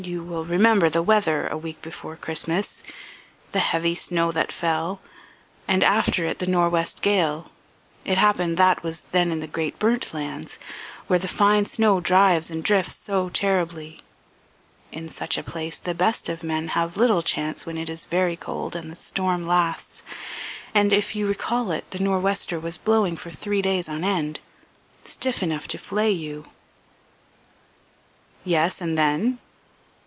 "You will remember the weather a week before Christmas the heavy snow that fell, and after it the nor'west gale. It happened that François was then in the great burnt lands, where the fine snow drives and drifts so terribly. In such a place the best of men have little chance when it is very cold and the storm lasts. And, if you recall it, the nor'wester was blowing for three days on end, stiff enough to flay you." "Yes, and then?"